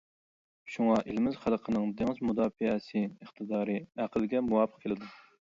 شۇڭا ئېلىمىز خەلقىنىڭ دېڭىز مۇداپىئەسى ئىقتىدارى ئەقىلگە مۇۋاپىق كېلىدۇ.